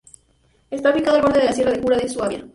Está ubicado al borde de la sierra de Jura de Suabia.